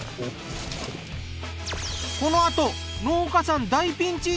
このあと農家さん大ピンチ！